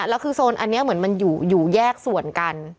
แล้วคือโซนอันนี้เหมือนมันอยู่แยกส่วนกัน